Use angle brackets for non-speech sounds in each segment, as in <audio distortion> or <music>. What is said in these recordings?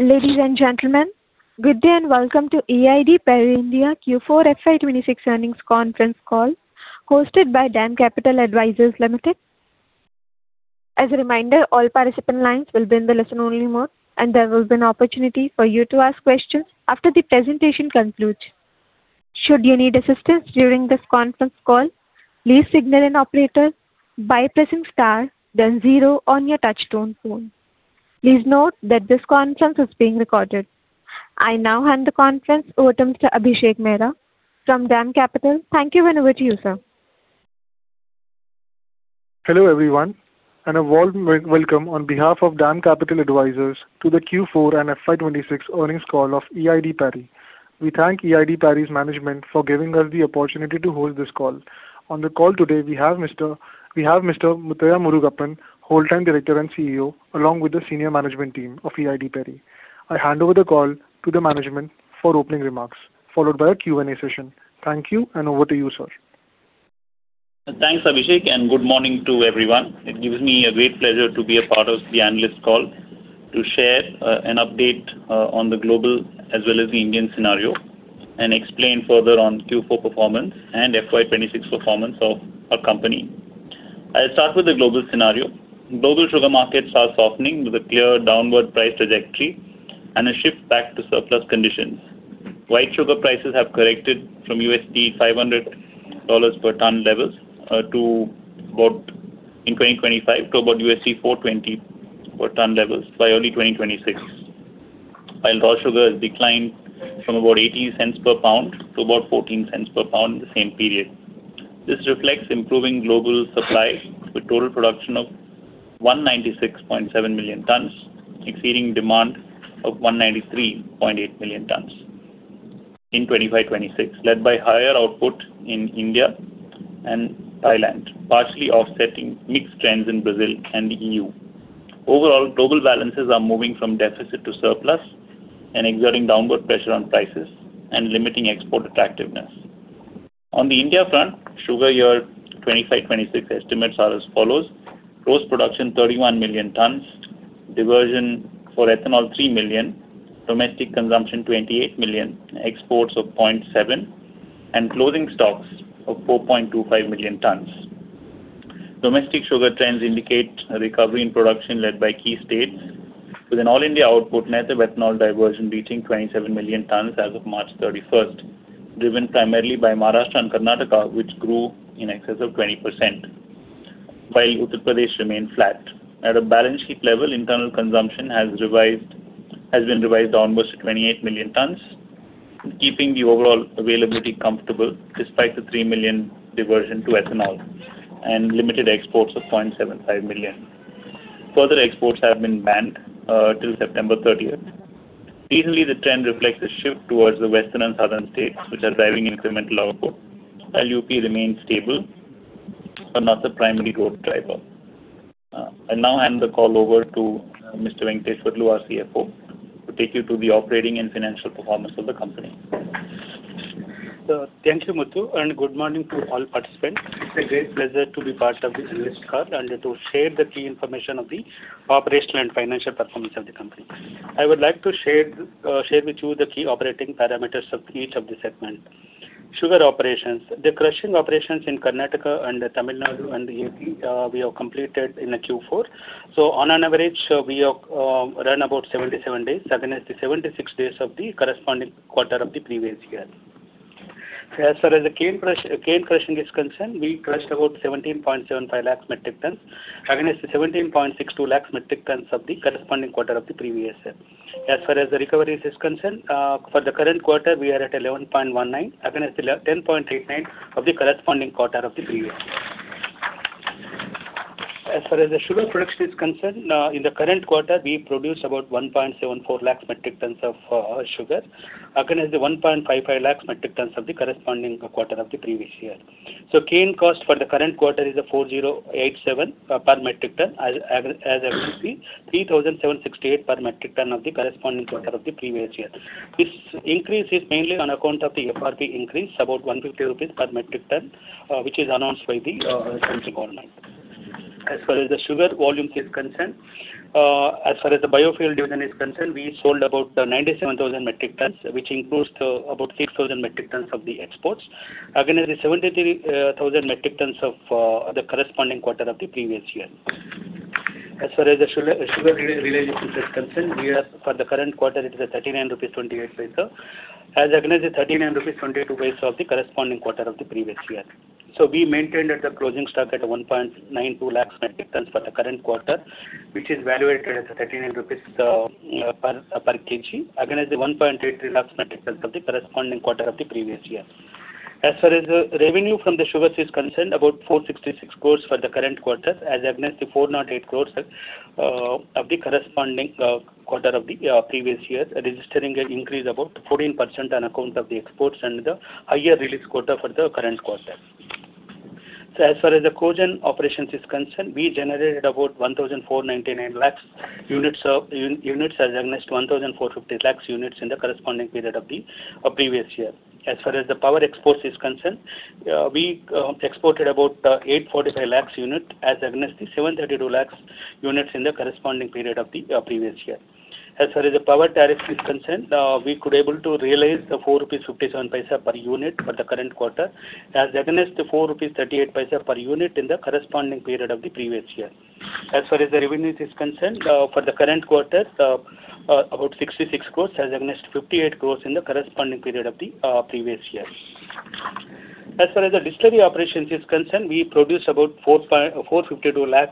Ladies and gentlemen, good day and welcome to E.I.D. Parry India Q4 FY 2026 earnings conference call hosted by DAM Capital Advisors Limited. As a reminder, all participant lines will be in the listen only mode, and there will be an opportunity for you to ask questions after the presentation concludes. Should you need assistance during this conference call, please signal an operator by pressing star then zero on your touch-tone phone. Please note that this conference is being recorded. I now hand the conference over to Abhishek Mehra from DAM Capital. Thank you and over to you, sir. Hello, everyone, and a warm welcome on behalf of DAM Capital Advisors to the Q4 and FY 2026 earnings call of E.I.D. Parry. We thank E.I.D. Parry's management for giving us the opportunity to host this call. On the call today, we have Mr. Muthiah Murugappan, Whole Time Director and CEO, along with the senior management team of E.I.D. Parry. I hand over the call to the management for opening remarks, followed by a Q&A session. Thank you, and over to you, sir. Thanks, Abhishek, good morning to everyone. It gives me a great pleasure to be a part of the analyst call to share an update on the global as well as the Indian scenario and explain further on Q4 performance and FY 2026 performance of our company. I'll start with the global scenario. Global sugar markets are softening with a clear downward price trajectory and a shift back to surplus conditions. White sugar prices have corrected from $500 per ton levels in 2025 to about $420 per ton levels by early 2026. While raw sugar has declined from about $0.80 per pound to about $0.14 per pound in the same period. This reflects improving global supply with total production of 196.7 million tons, exceeding demand of 193.8 million tons in 2025-2026, led by higher output in India and Thailand, partially offsetting mixed trends in Brazil and the EU. Overall, global balances are moving from deficit to surplus and exerting downward pressure on prices and limiting export attractiveness. On the India front, sugar year 2025-2026 estimates are as follows. Gross production 31 million tons, diversion for ethanol 3 million, domestic consumption 28 million, exports of 0.7, and closing stocks of 4.25 million tons. Domestic sugar trends indicate a recovery in production led by key states with an all India output net of ethanol diversion reaching 27 million tons as of March 31st, driven primarily by Maharashtra and Karnataka, which grew in excess of 20% while Uttar Pradesh remained flat. At a balance sheet level, internal consumption has been revised onwards to 28 million tons, keeping the overall availability comfortable despite the 3 million diversion to ethanol and limited exports of 0.75 million. Further exports have been banned till September 30th. Regionally, the trend reflects a shift towards the western and southern states, which are driving incremental output. While UP remains stable but not the primary growth driver. I now hand the call over to Mr. Venkateshwarlu, our CFO, to take you through the operating and financial performance of the company. Thank you, Muthu. Good morning to all participants. It's a great pleasure to be part of the analyst call and to share the key information of the operational and financial performance of the company. I would like to share with you the key operating parameters of each of the segments. Sugar operations. The crushing operations in Karnataka and Tamil Nadu and UP we have completed in Q4. On an average, we have run about 77 days against the 76 days of the corresponding quarter of the previous year. As far as the cane crushing is concerned, we crushed about 17.75 lakh metric tons against the 17.62 lakh metric tons of the corresponding quarter of the previous year. As far as the recoveries is concerned, for the current quarter, we are at 11.19 lakh metric tons against the 10.89 lakh metric tons of the corresponding quarter of the previous year. As far as the sugar production is concerned, in the current quarter, we produced about 1.74 lakh metric tons of sugar against the 1.55 lakh metric tons of the corresponding quarter of the previous year. Cane cost for the current quarter is 4,087 per metric ton as against 3,768 per metric ton of the corresponding quarter of the previous year. This increase is mainly on account of the FRP increase, about 150 rupees per metric ton, which is announced by the central government. As far as the sugar volumes is concerned, as far as the biofuel division is concerned, we sold about 97,000 metric tons, which includes about 6,000 metric tons of the exports against the 73,000 metric tons of the corresponding quarter of the previous year. As far as the sugar realization is concerned, for the current quarter it is at 39.28 as against 39.22 rupees of the corresponding quarter of the previous year. We maintained the closing stock at 1.92 lakh metric tons for the current quarter, which is valuated at 13 rupees per kg against the 1.83 lakh metric tons of the corresponding quarter of the previous year. As far as the revenue from the sugars is concerned, about 466 crore for the current quarter as against the 408 crore of the corresponding quarter of the previous year, registering an increase of about 14% on account of the exports and the higher release quota for the current quarter. As far as the co-gen operations is concerned, we generated about 1,499 lakh units as against 1,450 lakh units in the corresponding period of the previous year. As far as the power exports is concerned, we exported about 845 lakh units as against the 732 lakh units in the corresponding period of the previous year. As far as the power tariff is concerned, we could able to realize 4.57 rupees per unit for the current quarter as against 4.38 rupees per unit in the corresponding period of the previous year. As far as the revenue is concerned, for the current quarter, about 66 crores as against 58 crores in the corresponding period of the previous year. As far as the distillery operations is concerned, we produced about 452 lakh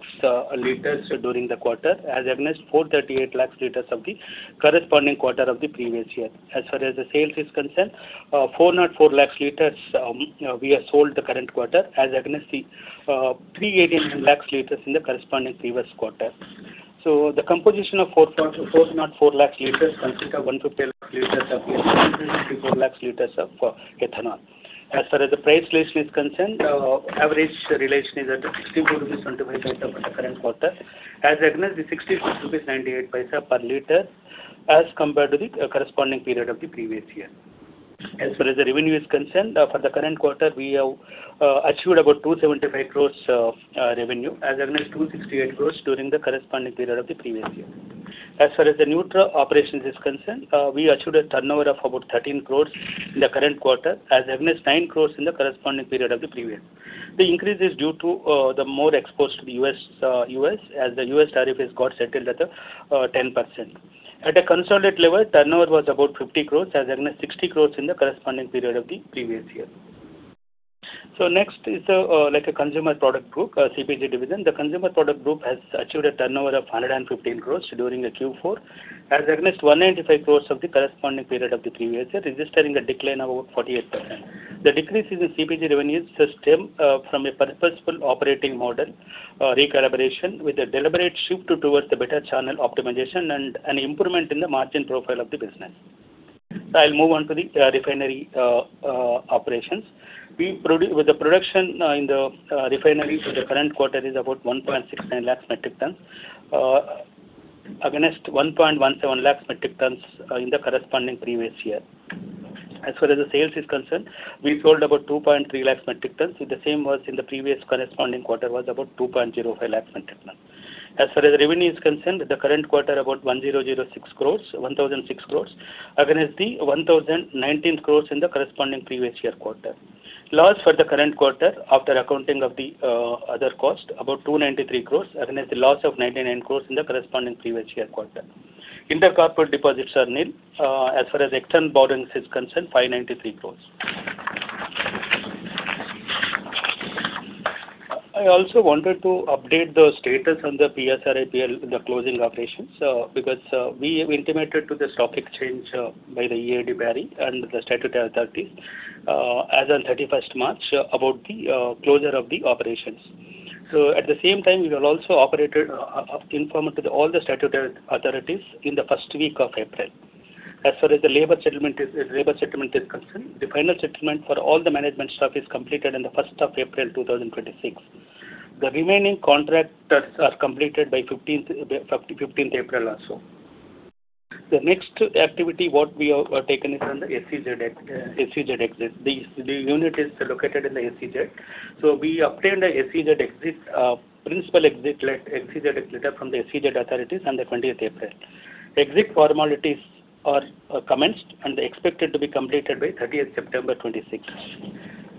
liters during the quarter as against 438 lakh liters of the corresponding quarter of the previous year. As far as the sales is concerned, 404 lakh liters we have sold the current quarter as against the 389 lakh liters in the corresponding previous quarter. The composition of 404 lakh liters consists of 112 lakh liters of <audio distortion> 4 lakh liters of ethanol. As far as the price list is concerned, average realization is at 64.75 rupees for the current quarter as against the 61.98 rupees per liter as compared to the corresponding period of the previous year. As far as the revenue is concerned, for the current quarter, we have achieved about 275 crores revenue as against 268 crores during the corresponding period of the previous year. As far as the Nutra operations is concerned, we achieved a turnover of about 13 crores in the current quarter as against 9 crores in the corresponding period of the previous year. The increase is due to the more exports to the U.S., as the U.S. tariff has got settled at 10%. At a consolidated level, turnover was about 50 crores as against 60 crores in the corresponding period of the previous year. Next is a consumer product group, CPG division. The consumer product group has achieved a turnover of 115 crores during the Q4 as against 195 crores of the corresponding period of the previous year, registering a decline of about 48%. The decrease in the CPG revenues stem from a principal operating model recalibration with a deliberate shift towards the better channel optimization and an improvement in the margin profile of the business. I'll move on to the refinery operations. With the production in the refinery for the current quarter is about 1.69 lakh metric tons, against 1.17 lakh metric tons in the corresponding previous year. As far as the sales are concerned, we sold about 2.3 lakh metric tons. The same was in the previous corresponding quarter was about 2.05 lakh metric tons. As far as revenue is concerned, the current quarter about 1,006 crore against the 1,019 crore in the corresponding previous year quarter. Loss for the current quarter after accounting of the other cost, about 293 crore against the loss of 99 crore in the corresponding previous year quarter. Intercorporate deposits are nil. As far as external borrowings is concerned, 593 crore. I also wanted to update the status on the PSRIPL, the closing operations, because we have intimated to the stock exchange by the E.I.D. Parry and the statutory authorities as on 31st March about the closure of the operations. At the same time, we will also operate and inform to all the statutory authorities in the first week of April. As far as the labor settlement is concerned, the final settlement for all the management staff is completed on the 1st of April 2026. The remaining contractors are completed by 15th April also. The next activity what we have taken is on the SEZ exit. The unit is located in the SEZ. We obtained a SEZ principal exit letter from the SEZ authorities on the 20th April. The exit formalities are commenced and expected to be completed by 30th September 2026.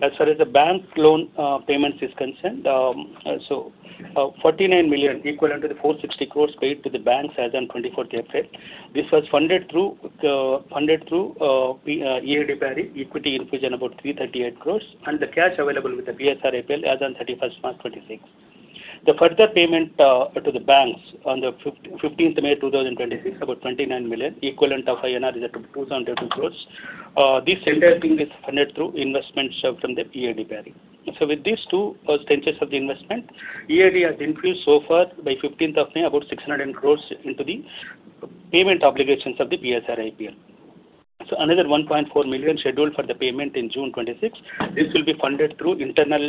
As far as the bank loan payments is concerned, 49 million equivalent to 460 crores paid to the banks as on 24th April. This was funded through E.I.D. Parry equity infusion about 338 crores, and the cash available with the PSRIPL as on 31st March 2026. The further payment to the banks on the 15th May 2026, about 29 million equivalent of 202 crores INR. This funding is funded through investments from the E.I.D. Parry. With these two tranches of the investment, E.I.D. has infused so far by 15th of May, about 600 crores into the payment obligations of the PSRIPL. Another 1.4 million scheduled for the payment in June 2026. This will be funded through internal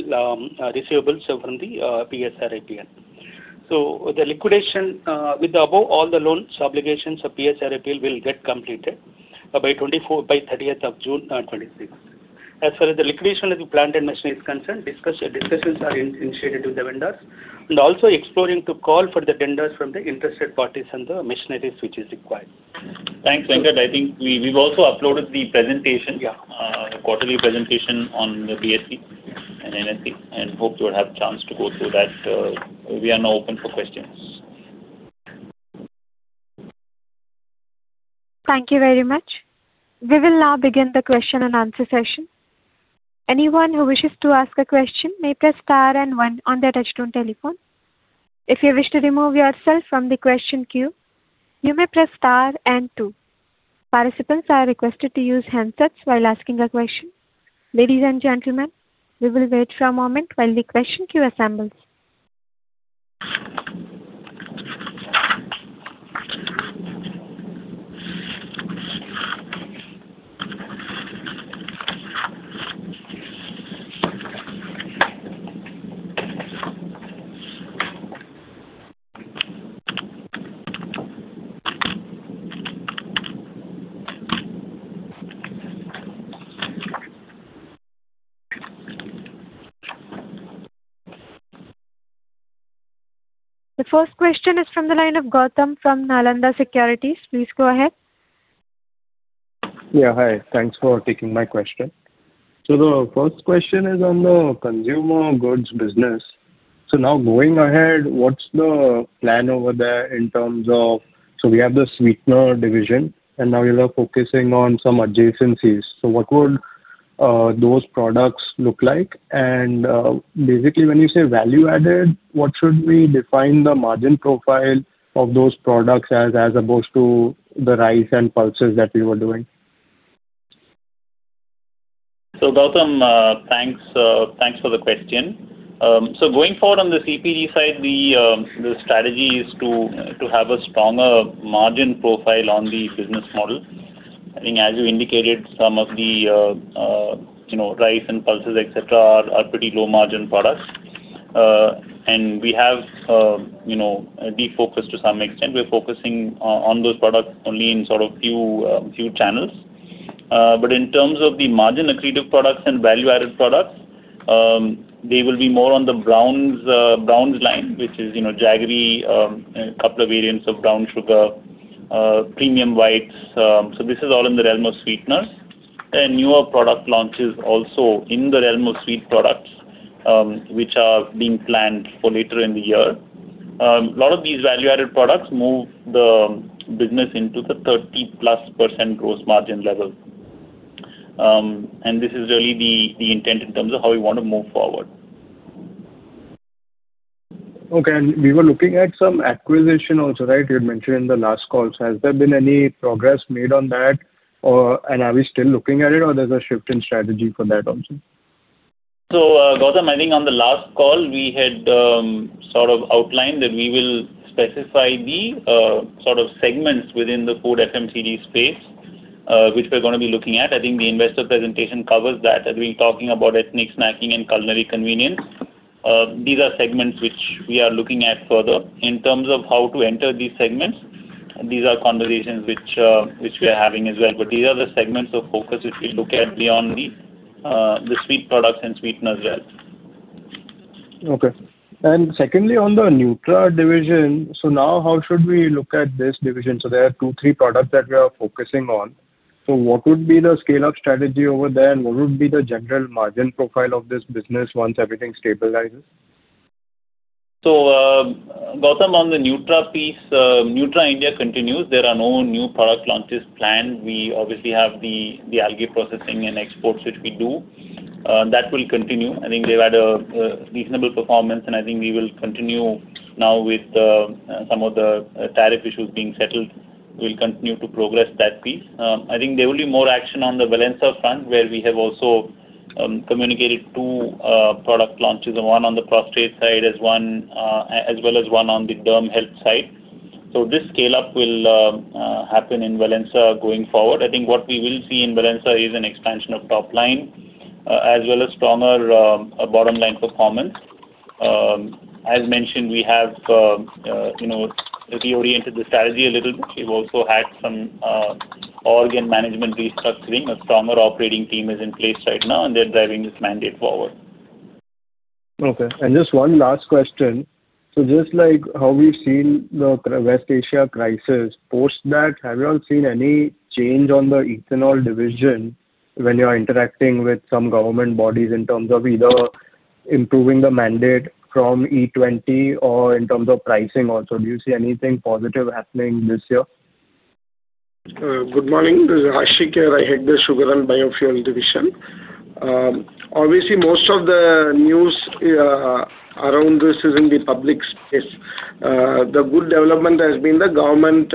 receivables from the PSRIPL. The liquidation with the above all the loans obligations of PSRIPL will get completed by 30th of June 2026. As far as the liquidation of the plant and machinery is concerned, discussions are initiated with the vendors and also exploring to call for the tenders from the interested parties on the machineries which is required. Thanks, Venkat. I think we've also uploaded the presentation. Yeah. Quarterly presentation on the BSE and NSE, and hope you'll have chance to go through that. We are now open for questions. Thank you very much. We will now begin the question and answer session. Anyone who wishes to ask a question may press star and one on their touchtone telephone. If you wish to remove yourself from the question queue, you may press star and two. Participants are requested to use handsets while asking a question. Ladies and gentlemen, we will wait for a moment while the question queue assembles. The first question is from the line of Gautam from Nalanda Securities. Please go ahead. Yeah. Hi. Thanks for taking my question. The first question is on the consumer goods business. Now going ahead, what's the plan over there in terms of, we have the sweetener division, and now you're focusing on some adjacencies. What would those products look like? Basically, when you say value added, what should we define the margin profile of those products as opposed to the rice and pulses that we were doing? Gautam, thanks for the question. Going forward on the CPG side, the strategy is to have a stronger margin profile on the business model. I think as you indicated, some of the rice and pulses, et cetera, are pretty low-margin products. We have de-focused to some extent. We're focusing on those products only in sort of a few channels. In terms of the margin-accretive products and value-added products, they will be more on the browns line, which is jaggery, a couple of variants of brown sugar, premium whites. This is all in the realm of sweeteners. Newer product launches also in the realm of sweet products, which are being planned for later in the year. A lot of these value-added products move the business into the 30%+ gross margin level. This is really the intent in terms of how we want to move forward. Okay. We were looking at some acquisition also, right? You had mentioned in the last call. Has there been any progress made on that? Are we still looking at it or there's a shift in strategy for that also? Gautam, I think on the last call, we had sort of outlined that we will specify the sort of segments within the food FMCG space, which we're going to be looking at. I think the investor presentation covers that. I've been talking about ethnic snacking and culinary convenience. These are segments which we are looking at further. In terms of how to enter these segments, these are conversations which we are having as well. These are the segments of focus if we look at beyond the sweet products and sweeteners as well. Okay. Secondly, on the Nutra division, now how should we look at this division? There are two, three products that we are focusing on. What would be the scale-up strategy over there, and what would be the general margin profile of this business once everything stabilizes? Gautam, on the Nutra piece, Nutra India continues. There are no new product launches planned. We obviously have the algae processing and exports, which we do. That will continue. I think they've had a reasonable performance, and I think we will continue now with some of the tariff issues being settled. We'll continue to progress that piece. I think there will be more action on the Valensa front, where we have also communicated two product launches, one on the prostate side as well as one on the derm health side. This scale-up will happen in Valensa going forward. I think what we will see in Valensa is an expansion of top line as well as stronger bottom-line performance. As mentioned, we have reoriented the strategy a little bit. We've also had some org and management restructuring. A stronger operating team is in place right now, and they're driving this mandate forward. Okay. Just one last question. Just like how we've seen the West Asia crisis, post that, have you all seen any change on the ethanol division when you're interacting with some government bodies in terms of either improving the mandate from E20 or in terms of pricing also? Do you see anything positive happening this year? Good morning. This is Ashiq here. I head the Sugar and Biofuel division. Obviously, most of the news around this is in the public space. The good development has been the government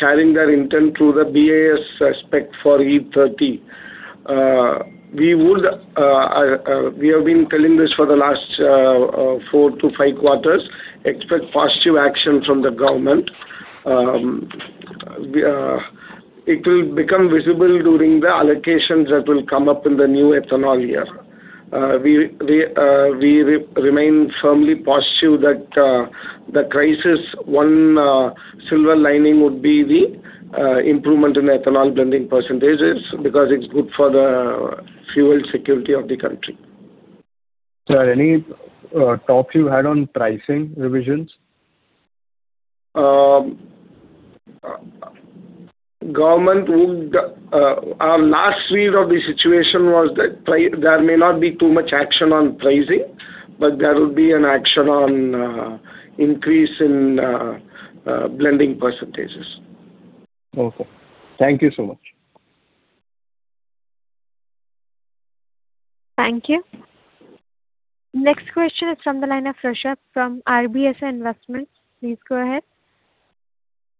sharing their intent through the BIS spec for E30. We have been telling this for the last four to five quarters, expect positive action from the government. It will become visible during the allocations that will come up in the new ethanol year. We remain firmly positive that the crisis, one silver lining would be the improvement in ethanol blending percentages because it's good for the fuel security of the country. Sir, any talks you had on pricing revisions? Our last read of the situation was that there may not be too much action on pricing, but there will be an action on increase in blending percentages. Okay. Thank you so much. Thank you. Next question is from the line of Rushabh from RBSA Investments. Please go ahead.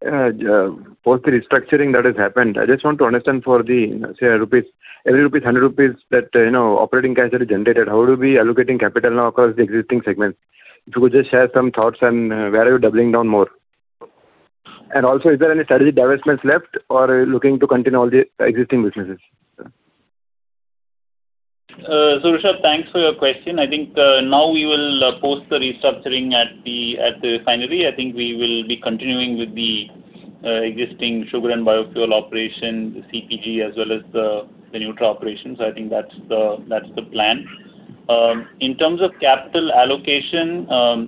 Post the restructuring that has happened, I just want to understand for every 100 rupees that operating cash that is generated, how would we be allocating capital now across the existing segments? If you could just share some thoughts, where are you doubling down more? Also, is there any strategic divestments left or are you looking to continue all the existing businesses? Rushabh, thanks for your question. I think now we will post the restructuring at the refinery. I think we will be continuing with the existing sugar and biofuel operation, the CPG as well as the Nutra operations. I think that's the plan. In terms of capital allocation,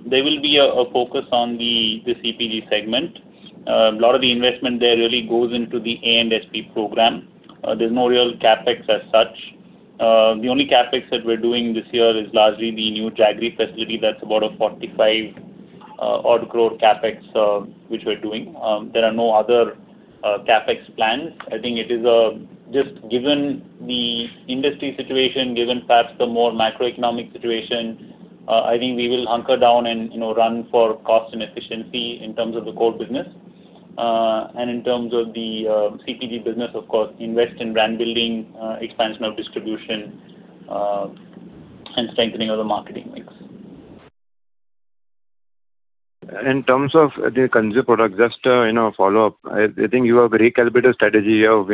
there will be a focus on the CPG segment. A lot of the investment there really goes into the AMHP program. There's no real CapEx as such. The only CapEx that we're doing this year is largely the new jaggery facility that's about a 45 odd crore CapEx which we're doing. There are no other CapEx plans. I think just given the industry situation, given perhaps the more macroeconomic situation, I think we will hunker down and run for cost and efficiency in terms of the core business. In terms of the CPG business, of course, invest in brand building, expansion of distribution, and strengthening of the marketing mix. In terms of the consumer product, just a follow-up. I think you have recalibrated strategy here of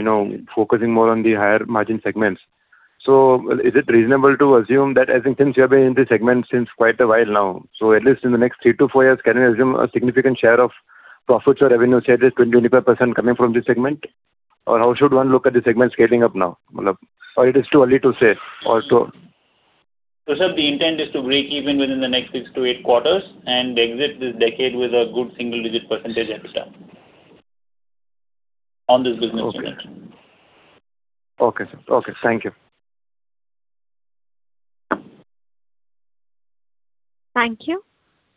focusing more on the higher margin segments. Is it reasonable to assume that since you have been in this segment since quite a while now, at least in the next three to four years, can we assume a significant share of profits or revenue share is 20%-25% coming from this segment? How should one look at the segment scaling up now? Is it too early to say? Sir, the intent is to break even within the next six to eight quarters and exit this decade with a good single-digit percentage EBITDA on this business segment. Okay. Okay, sir. Thank you. Thank you.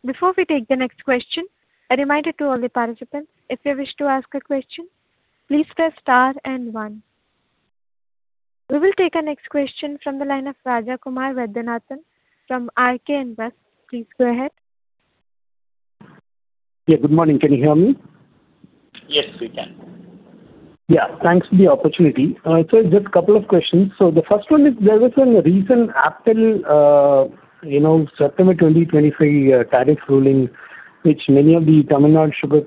Before we take the next question, a reminder to all the participants, if you wish to ask a question, please press star and one. We will take our next question from the line of Rajakumar Vaidyanathan from RK Invest. Please go ahead. Yeah, good morning. Can you hear me? Yes, we can. Yeah, thanks for the opportunity. Just a couple of questions. The first one is, there was a recent APTEL September 2023 tariff ruling, which many of the Tamil Nadu sugar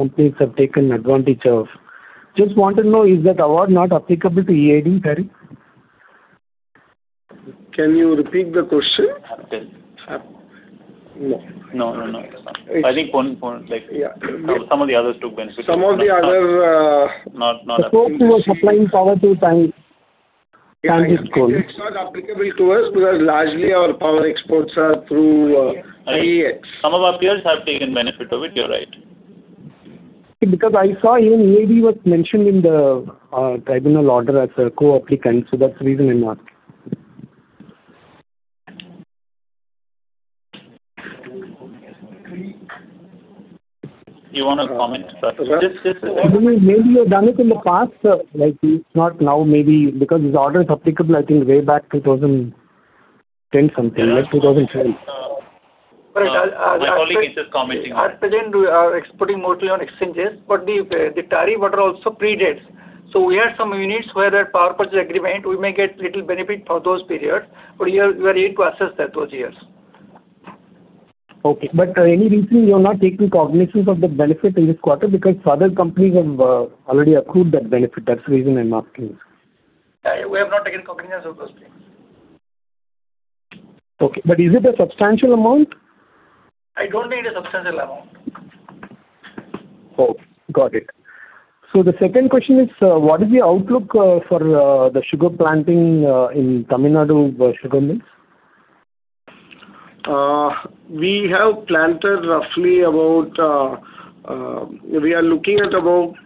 companies have taken advantage of. Just want to know, is that award not applicable to E.I.D. Parry? Can you repeat the question? APTEL. No. No. I think some of the others took benefit. Some of the other- Not us. The folks who are supplying power through TANGEDCO. It was applicable to us because largely our power exports are through IEX. Some of our peers have taken benefit of it, you're right. I saw even E.I.D. Was mentioned in the tribunal order as a co-applicant, so that's the reason I'm asking. You want to comment, sir? Maybe you have done it in the past, sir. Like it's not now, maybe because this order is applicable I think way back 2010 something, like 2010. My colleague is just commenting on it. At present, we are exporting mostly on exchanges. The tariff order also predates. We have some units where the power purchase agreement, we may get little benefit for those periods. We are yet to assess those years. Okay. Any reason you are not taking cognizance of the benefit in this quarter because other companies have already accrued that benefit? That's the reason I'm asking. We have not taken cognizance of those things. Okay. Is it a substantial amount? I don't think it's a substantial amount. Okay, got it. The second question is, what is the outlook for the sugar planting in Tamil Nadu sugar mills? We are looking at about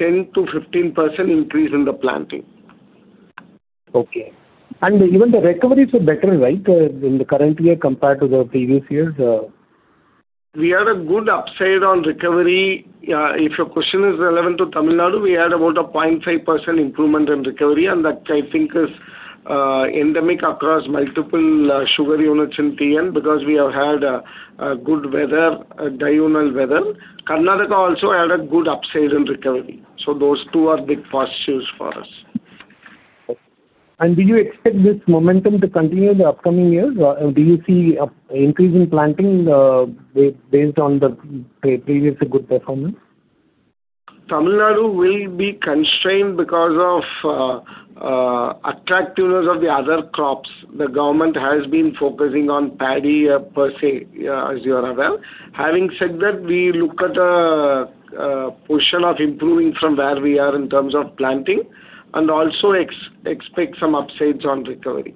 10%-15% increase in the planting. Okay. Even the recoveries are better, right, in the current year compared to the previous years? We had a good upside on recovery. If your question is relevant to Tamil Nadu, we had about a 0.5% improvement in recovery. That I think is endemic across multiple sugar units in TN because we have had a good weather, a diurnal weather. Karnataka also had a good upside in recovery. Those two are big positives for us. Okay. Do you expect this momentum to continue in the upcoming years? Do you see an increase in planting based on the previous good performance? Tamil Nadu will be constrained because of attractiveness of the other crops. The government has been focusing on paddy per se, as you are aware. Having said that, we look at a portion of improving from where we are in terms of planting, and also expect some upsides on recovery.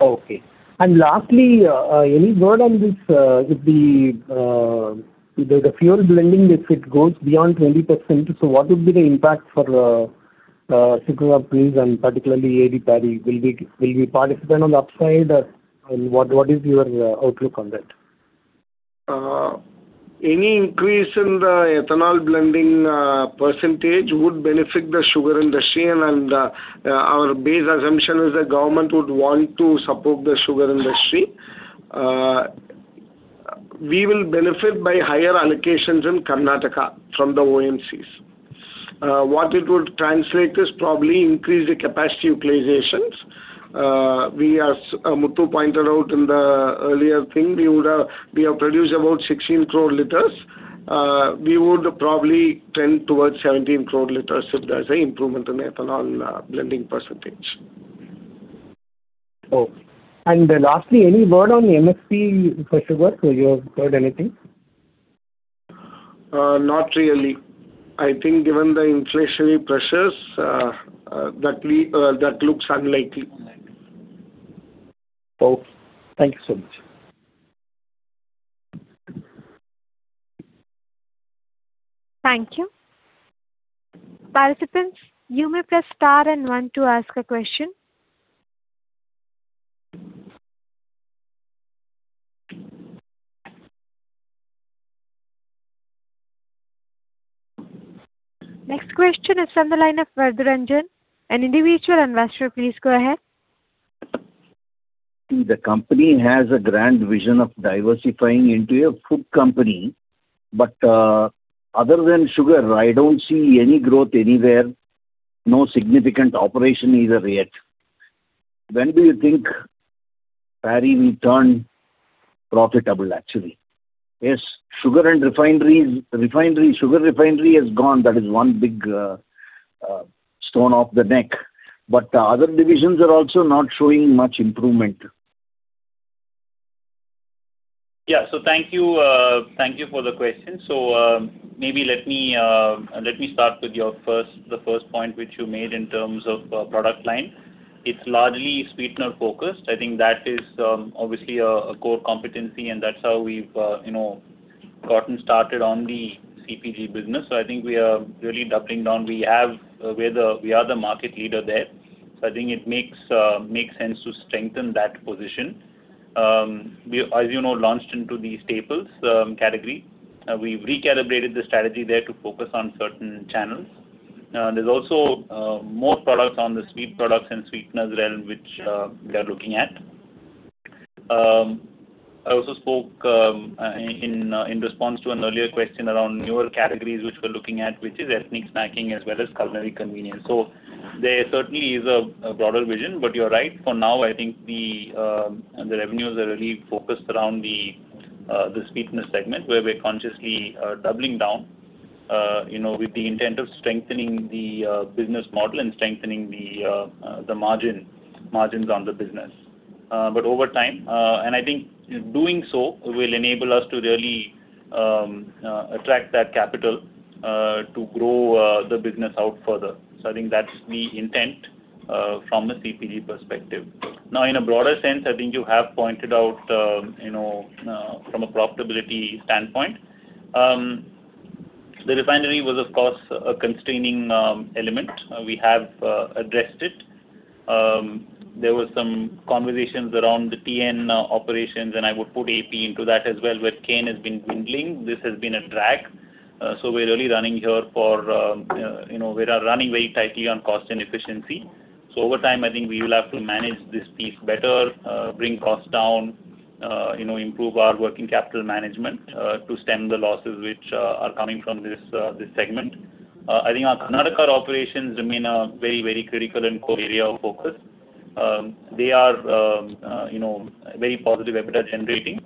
Okay. Lastly, any word on this, if the fuel blending, if it goes beyond 20%, so what would be the impact for sugar mills and particularly E.I.D. Parry? Will you participate on the upside? What is your outlook on that? Any increase in the ethanol blending percentage would benefit the sugar industry, and our base assumption is that government would want to support the sugar industry. We will benefit by higher allocations in Karnataka from the OMCs. What it would translate is probably increase the capacity utilizations. As Muthu pointed out in the earlier thing, we have produced about 16 crore liters. We would probably tend towards 17 crore liters if there is any improvement in ethanol blending percentage. Lastly, any word on MSP for sugar? You have heard anything? Not really. I think given the inflationary pressures, that looks unlikely. Okay. Thank you so much. Thank you. Participants, you may press star and one to ask a question. Next question is on the line of Varadarajan, an individual investor. Please go ahead. The company has a grand vision of diversifying into a food company. Other than sugar, I don't see any growth anywhere, no significant operation either yet. When do you think Parry will turn profitable, actually? Yes, sugar refinery has gone. That is one big stone off the neck. The other divisions are also not showing much improvement. Thank you for the question. Maybe let me start with the first point which you made in terms of product line. It's largely sweetener-focused. I think that is obviously a core competency, and that's how we've gotten started on the CPG business. I think we are really doubling down. We are the market leader there, I think it makes sense to strengthen that position. As you know, launched into the staples category. We've recalibrated the strategy there to focus on certain channels. There's also more products on the sweet products and sweeteners realm which we are looking at. I also spoke in response to an earlier question around newer categories which we're looking at, which is ethnic snacking as well as culinary convenience. There certainly is a broader vision, but you're right. For now, I think the revenues are really focused around the sweetener segment where we're consciously doubling down with the intent of strengthening the business model and strengthening the margins on the business. Over time I think doing so will enable us to really attract that capital to grow the business out further. I think that's the intent from the CPG perspective. Now, in a broader sense, I think you have pointed out from a profitability standpoint. The refinery was, of course, a constraining element. We have addressed it. There were some conversations around the TN operations, and I would put AP into that as well, where cane has been dwindling. This has been a drag. We're really running here. We are running very tightly on cost and efficiency. Over time, I think we will have to manage this piece better, bring costs down, improve our working capital management to stem the losses which are coming from this segment. I think our Karnataka operations remain a very critical and core area of focus. They are very positive EBITDA generating.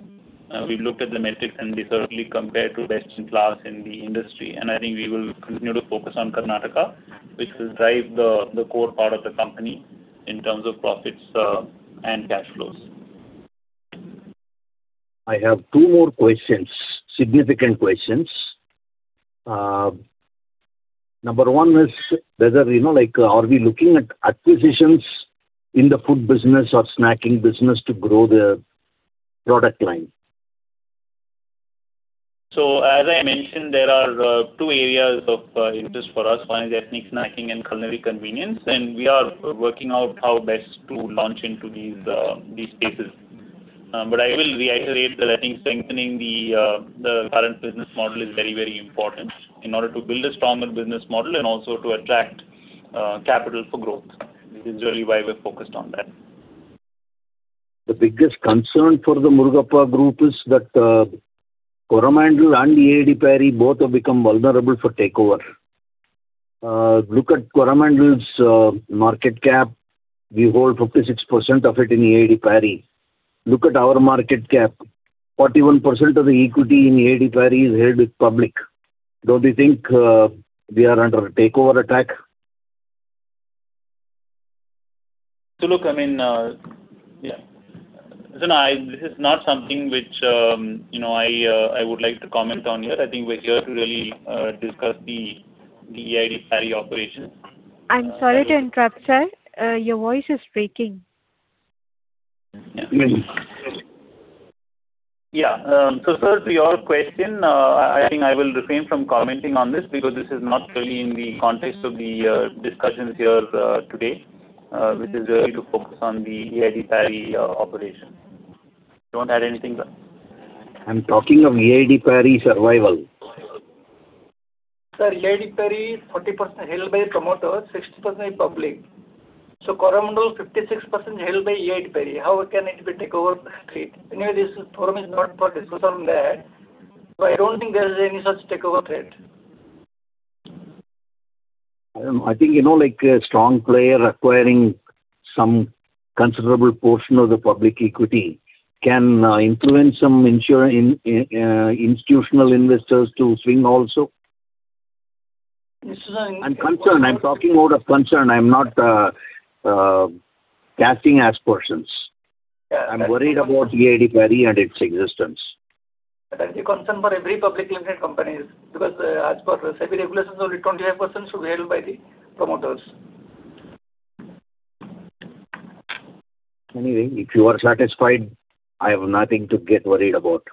We've looked at the metrics, and these are really compared to best in class in the industry. I think we will continue to focus on Karnataka, which will drive the core part of the company in terms of profits and cash flows. I have two more questions, significant questions. Number one is, are we looking at acquisitions in the food business or snacking business to grow the product line? As I mentioned, there are two areas of interest for us. One is ethnic snacking and culinary convenience, and we are working out how best to launch into these spaces. I will reiterate that I think strengthening the current business model is very important in order to build a stronger business model and also to attract capital for growth, which is really why we're focused on that. The biggest concern for the Murugappa Group is that Coromandel and E.I.D. Parry both have become vulnerable for takeover. Look at Coromandel's market cap. We hold 56% of it in E.I.D. Parry. Look at our market cap. 41% of the equity in E.I.D. Parry is held with public. Don't you think we are under a takeover attack? Look, I mean, yeah. Listen, this is not something which I would like to comment on here. I think we're here to really discuss the E.I.D. Parry operations. I'm sorry to interrupt, sir. Your voice is breaking. Yeah. Sir, to your question, I think I will refrain from commenting on this because this is not really in the context of the discussions here today, which is really to focus on the E.I.D. Parry operations. You want to add anything, sir? I'm talking of E.I.D. Parry survival. Sir, E.I.D. Parry, 40% held by promoters, 60% is public. Coromandel, 56% is held by E.I.D. Parry. How can it be takeover threat? Anyway, this forum is not for discussion on that. I don't think there is any such takeover threat. I think, like a strong player acquiring some considerable portion of the public equity can influence some institutional investors to swing also. I'm concerned. I'm talking out of concern. I'm not casting aspersions. Yeah. I'm worried about E.I.D. Parry and its existence. That is a concern for every public listed companies, because as per SEBI regulations, only 25% should be held by the promoters. If you are satisfied, I have nothing to get worried about.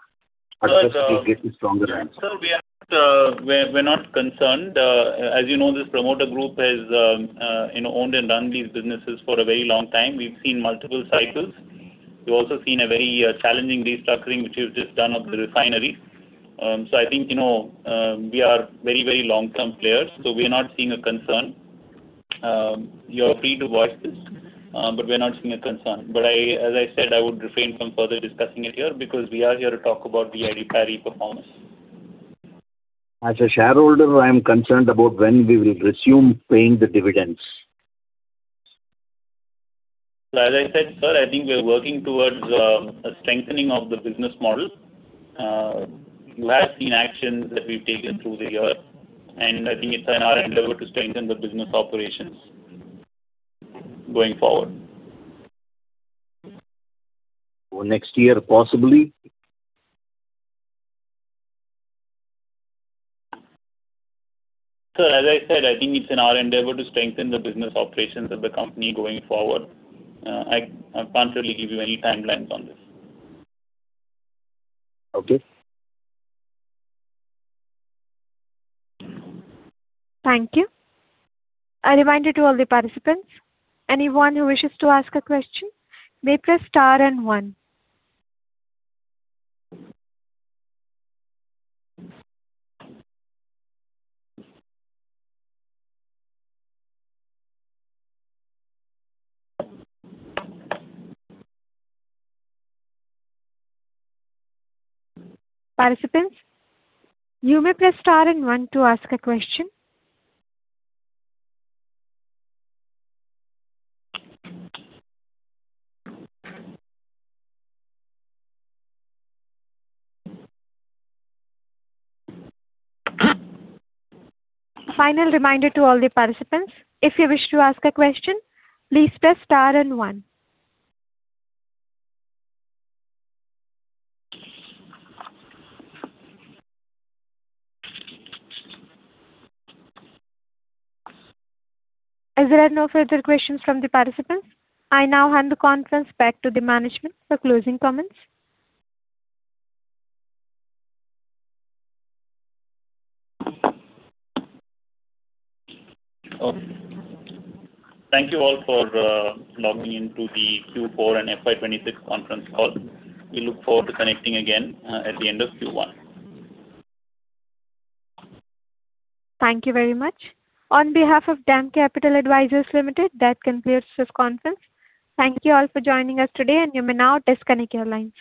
I just need to get a stronger answer. Sir, we're not concerned. As you know, this promoter group has owned and run these businesses for a very long time. We've seen multiple cycles. We've also seen a very challenging restructuring, which we've just done of the refinery. I think, we are very long-term players, so we are not seeing a concern. You're free to voice this, but we're not seeing a concern. As I said, I would refrain from further discussing it here because we are here to talk about E.I.D. Parry performance. As a shareholder, I am concerned about when we will resume paying the dividends. As I said, sir, I think we're working towards a strengthening of the business model. You have seen actions that we've taken through the year, I think it's in our endeavor to strengthen the business operations going forward. Next year, possibly? Sir, as I said, I think it's in our endeavor to strengthen the business operations of the company going forward. I can't really give you any timelines on this. Okay. Thank you. A reminder to all the participants, anyone who wishes to ask a question, may press star and one. Participants, you may press star and one to ask a question. Final reminder to all the participants, if you wish to ask a question, please press star and one. There are no further questions from the participants, I now hand the conference back to the management for closing comments. Okay. Thank you all for logging into the Q4 and FY 2026 conference call. We look forward to connecting again, at the end of Q1. Thank you very much. On behalf of DAM Capital Advisors Limited, that concludes this conference. Thank you all for joining us today, and you may now disconnect your lines.